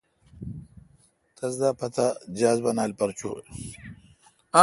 تس دا پتا دے جہاز بانال تھ چویں ۔